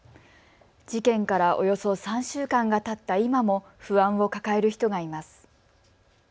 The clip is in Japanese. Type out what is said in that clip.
事件からおよそ３週間がたった今も不安を抱える人がいます。